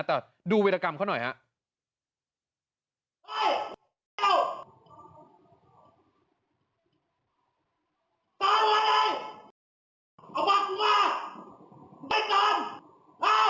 แต่ดูวิธีกรรมเขาหน่อยครับ